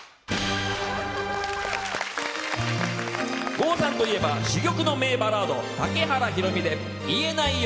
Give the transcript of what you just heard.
郷さんといえば珠玉の名バラード竹原ひろみで「言えないよ」。